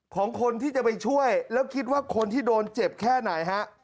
ของคนที่จะไปช่วยแล้วคิดว่าคนที่โดนเจ็บแค่ไหนฮะ